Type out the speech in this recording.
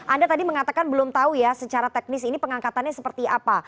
anda tadi mengatakan belum tahu ya secara teknis ini pengangkatannya seperti apa